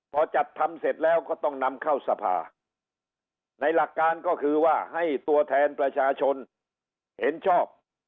พอจัดทำเสร็จแล้วก็ต้องนำเข้าสภาในหลักการก็คือว่าให้ตัวแทนประชาชนเห็นชอบ